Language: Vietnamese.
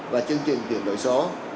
và chương trình chuyển đổi số